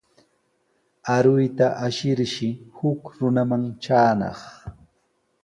Aruyta ashirshi huk runaman traanaq.